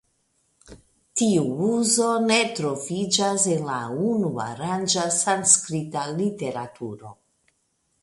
Tiu uzo ne troviĝas en la unuaranga sanskrita literaturo.